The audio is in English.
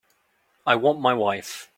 I want my wife.